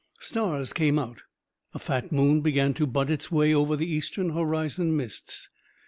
Stars came out. A fat moon began to butt its way up over the eastern horizon mists.